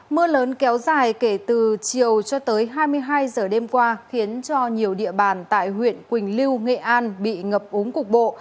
mưa lớn kéo dài kể từ chiều cho tới hai mươi hai giờ đêm qua khiến cho nhiều địa bàn tại huyện quỳnh lưu nghệ an bị ngập úng cục bộ